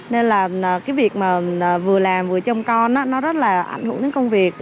nên là cái việc mà vừa làm vừa trông con nó rất là ảnh hưởng đến công việc